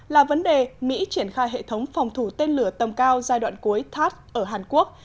là vấn đề mỹ triển khai hệ thống phòng thủ tên lửa tầm cao giai đoạn cuối thao ở hàn quốc